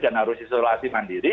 dan harus isolasi mandiri